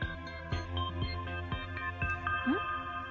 うん？